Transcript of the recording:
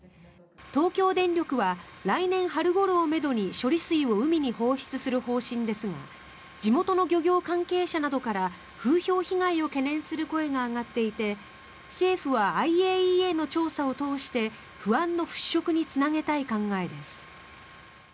東京電力は来年春ごろをめどに処理水を海に放出する方針ですが地元の漁業関係者などから風評被害を懸念する声が上がっていて政府はＩＡＥＡの調査を通して不安の払しょくにつなげたい考えです。